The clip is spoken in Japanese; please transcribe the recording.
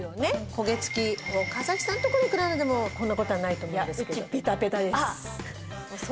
焦げつき岡崎さんのところはいくらなんでもこんな事はないと思うんですけど。